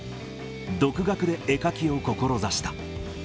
独学で絵描きを志した。